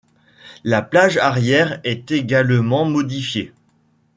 La plage arrière est également modifiée.